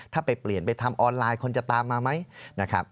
ถ้าไปเปลี่ยนไปทำออนไลน์คนจะตามมาไหมนะครับ